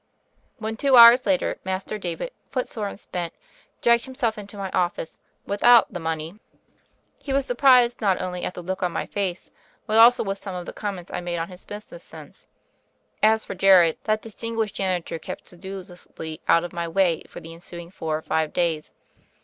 When, two hours later. Master David, foot sore and spent, dragged himself into my office without the money, he was surprised not only ri8 THE FAIRY OF THE SNOWS at the look on my face but also with some of the comments I made on his business sense. As for Jerry, that distinguished janitor kept sedu lously out of my way for the ensuing four or five days.